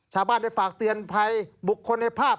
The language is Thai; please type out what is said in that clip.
ชาวบ้านได้ฝากเตือนภัยบุคคลในภาพ